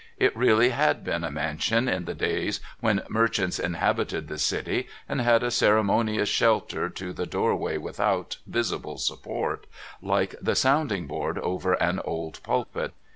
It really had been a mansion in the days when merchants inhabited the City, and had a ceremonious shelter to the doorway without visible support, like the sounding board over an old pulpit.